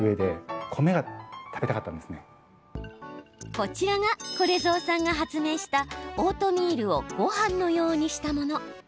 こちらが、これぞうさんが発明したオートミールをごはんのようにしたもの。